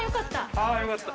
ああよかった。